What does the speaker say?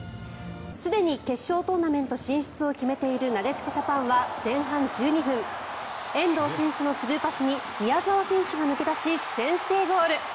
すでに決勝トーナメント進出を決めている、なでしこジャパンは前半１２分遠藤選手のスルーパスに宮澤選手が抜け出し先制ゴール！